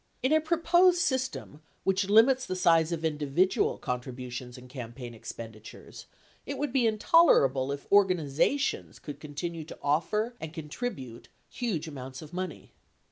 In a proposed system which limits the size of individual contribu tions and campaign expenditures it would be intolerable if organiza tions could continue to offer and contribute huge amounts of money.